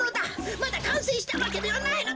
まだかんせいしたわけではないのだ！